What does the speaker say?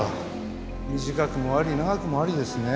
短くもあり長くもありですね